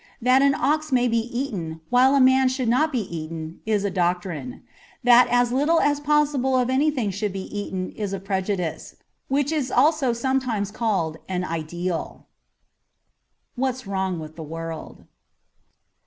That an ox may be eaten, while a man should not be eaten, is a doctrine. That as little as possible of anything should be eaten is a prejudice ; which is also sometimes called an ideal. 'What's Wrong with the World.''